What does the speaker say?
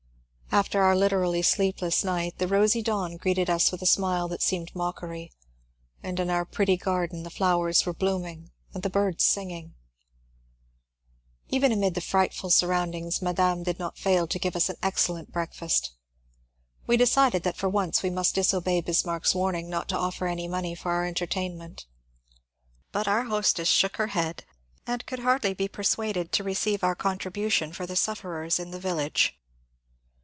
After our literally sleepless night the rosy dawn greeted us with a smile that seemed mockeiy, and in our pretty garden the flowers were blooming and the birds singing. Even amid the frightful surroundings madame did not fail to give us an excellent breakfast. We decided that for once we must disobey Bismarck's warning not to offer any money for our entertainment ; but our hostess shook her head, and could hardly be persuaded to receive our contribution for the sufferers in the village.